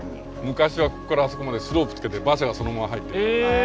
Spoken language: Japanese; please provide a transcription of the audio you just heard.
昔はここからあそこまでスロープつけて馬車がそのまま入っていった。